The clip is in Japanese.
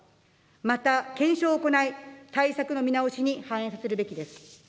また検証を行い、対策の見直しに反映させるべきです。